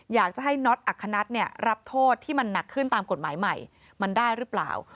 อยากจะให้น็อตอัคคณัฐรับโทษที่มันหนักขึ้นตามกฎหมายใหม่มันได้หรือเปล่า